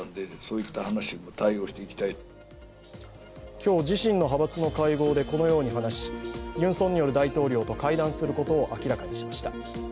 今日、自身の派閥の会合でこのように話しユン・ソンニョル大統領と会談することを明らかにしました。